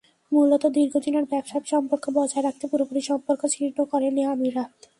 মূলত দীর্ঘদিনের ব্যবসায়িক সম্পর্ক বজায় রাখতে পুরোপুরি সম্পর্ক ছিন্ন করেনি আমিরাত।